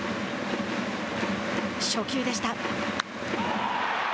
初球でした。